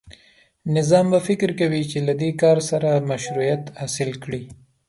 نظام به فکر کوي چې له دې کار سره مشروعیت حاصل کړي.